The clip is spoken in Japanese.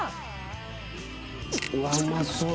うわっうまそう。